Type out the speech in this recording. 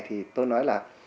thì tự nhiên là